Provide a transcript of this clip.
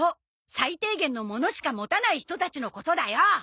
最低限の物しか持たない人たちのことだよ！